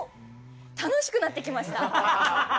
楽しくなってきました。